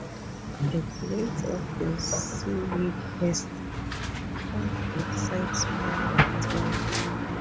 The blades of the seaweed has on both sides small warts on.